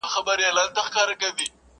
دلته شهیدي جنازې ښخېږي،